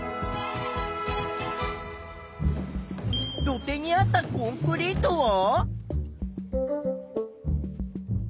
土手にあったコンクリートは？